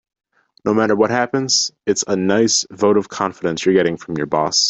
No matter what happens, it's a nice vote of confidence you're getting from your boss.